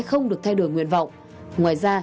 không được thay đổi nguyện vọng ngoài ra